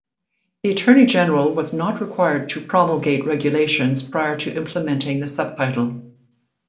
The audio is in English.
The Attorney General was not required to promulgate regulations prior to implementing the subtitle.